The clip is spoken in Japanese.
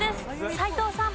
斎藤さん。